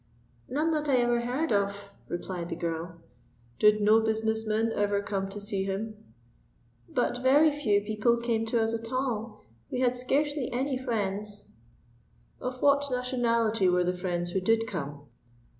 "None that I ever heard of," replied the girl. "Did no business men ever come to see him?" "But very few people came to us at all. We had scarcely any friends." "Of what nationality were the friends who did come?"